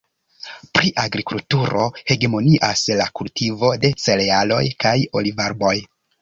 Pri agrikulturo hegemonias la kultivo de cerealoj kaj olivarboj.